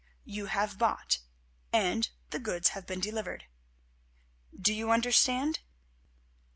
You have bought and—the goods have been delivered. Do you understand?